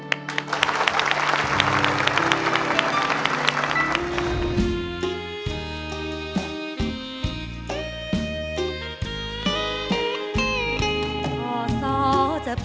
ที่ออกมาเท่านั้น